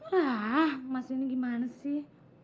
wah mas ini gimana sih